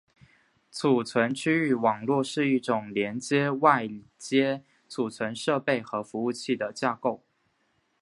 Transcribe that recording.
储存区域网络是一种连接外接存储设备和服务器的架构。